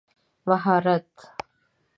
مهارت